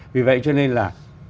vì vậy cho nên là